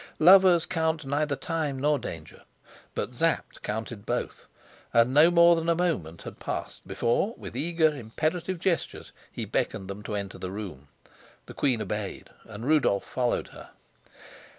Lovers count neither time nor danger; but Sapt counted both, and no more than a moment had passed before, with eager imperative gestures, he beckoned them to enter the room. The queen obeyed, and Rudolf followed her.